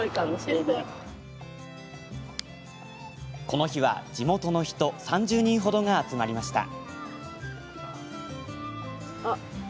この日は、地元の人３０人ほどが集まりました。